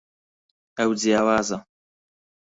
ئەو جیاوازە.